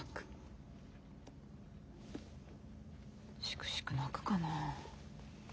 しくしく泣くかなあ。